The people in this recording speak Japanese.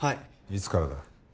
いつからだ？